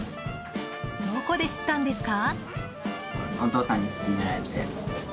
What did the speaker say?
どこで知ったんですか？